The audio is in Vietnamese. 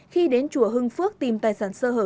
khi đến chùa hưng phước tìm tài sản sơ hở